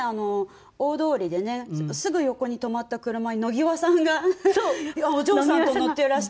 大通りでねすぐ横に止まった車に野際さんがお嬢さんと乗っていらして。